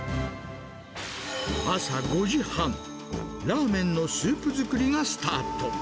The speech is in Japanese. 朝５時半、ラーメンのスープ作りがスタート。